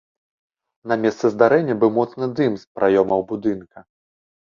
На месцы здарэння быў моцны дым з праёмаў будынка.